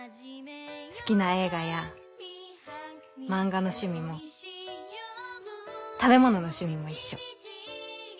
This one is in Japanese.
好きな映画や漫画の趣味も食べ物の趣味も一緒。